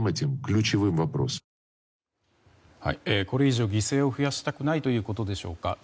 これ以上犠牲を増やしたくないということでしょうか。